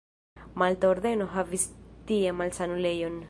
Malta Ordeno havis tie malsanulejon.